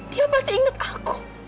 dia pasti ingat aku